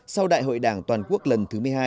sau đại hội đảng toàn quốc lần thứ một mươi hai